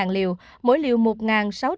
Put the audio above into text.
hai mươi liều mỗi liều một sáu trăm linh mg